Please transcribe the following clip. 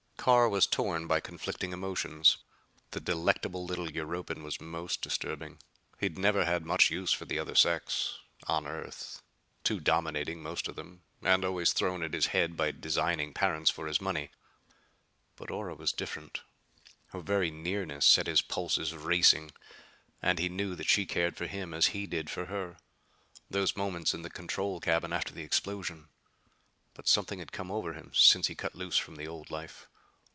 Carr was torn by conflicting emotions. The delectable little Europan was most disturbing. He'd never had much use for the other sex on Earth. Too dominating, most of them. And always thrown at his head by designing parents for his money. But Ora was different! Her very nearness set his pulses racing. And he knew that she cared for him as he did for her. Those moments in the control cabin after the explosion! But something had come over him since he cut loose from the old life.